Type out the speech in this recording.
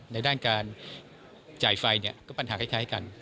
ในด้านการจ่ายไฟเนี่ยก็ปัญหาคล้ายกัน